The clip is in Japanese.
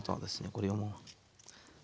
これをもう。